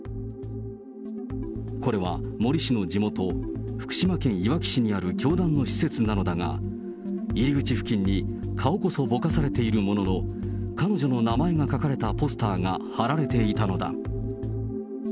これは森氏の地元、福島県いわき市にある教団の施設なのだが、入り口付近に、顔こそぼかされているものの、彼女の名前が書かれたポスターが貼られていたのだ。